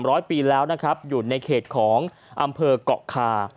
ร้อยปีแล้วนะครับอยู่ในเขตของอำเภอกเกาะคา